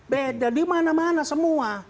beda di mana mana semua